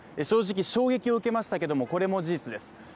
正直衝撃を受けましたけれども、これも事実です。